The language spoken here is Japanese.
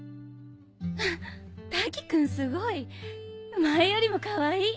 わっ瀧くんすごい。前よりもかわいい！